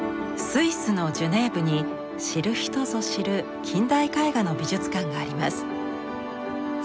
スイスのジュネーブに知る人ぞ知る近代絵画の美術館があります。